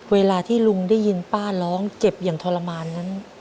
เวลาที่ลุงได้ยินป้าร้องเจ็บอย่างทรมานนั้น